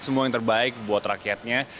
semua yang terbaik buat rakyatnya